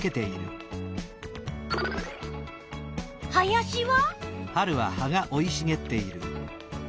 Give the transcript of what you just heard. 林は？